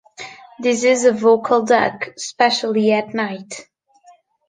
This is a vocal duck, especially at night.